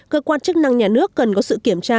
cơ quan chức năng nhà nước cần có sự kiểm tra